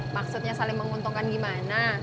maksudnya saling menguntungkan gimana